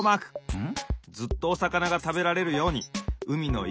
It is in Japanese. うん。